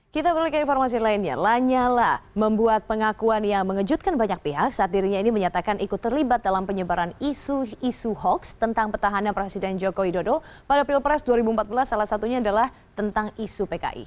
kita berlika informasi lainnya lanyala membuat pengakuan yang mengejutkan banyak pihak saat dirinya ini menyatakan ikut terlibat dalam penyebaran isu isu hoax tentang petahana presiden joko widodo pada pilpres dua ribu empat belas salah satunya adalah tentang isu pki